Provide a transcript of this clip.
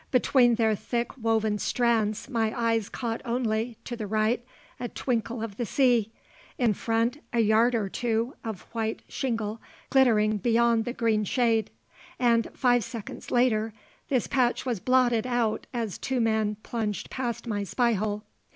Between their thick woven strands my eyes caught only, to the right, a twinkle of the sea; in front, a yard or two of white shingle glittering beyond the green shade; and, five seconds later, this patch was blotted out as two men plunged past my spyhole.